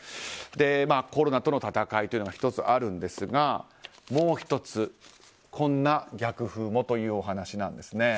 コロナとの闘いというのが１つあるんですがもう１つ、こんな逆風もというお話なんです。